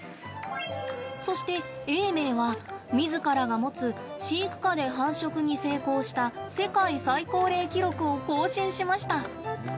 そして永明は、自らが持つ飼育下で繁殖に成功した世界最高齢記録を更新しました。